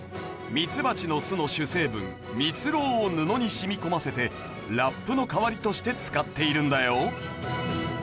ミツバチの巣の主成分蜜ろうを布に染み込ませてラップの代わりとして使っているんだよ。